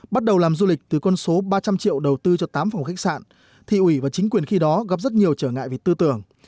bắt đầu làm du lịch từ con số ba trăm linh triệu đầu tư cho tám phòng khách sạn thị ủy và chính quyền khi đó gặp rất nhiều trở ngại về tư tưởng